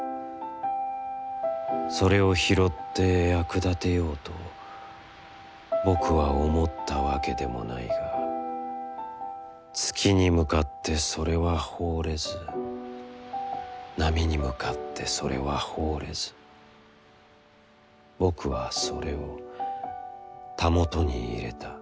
それを拾って、役立てようと僕は思ったわけでもないが月に向かってそれは抛れず浪に向かってそれは抛れず僕はそれを、袂に入れた。